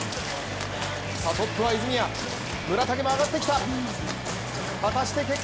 トップは泉谷、村竹も上がってきた。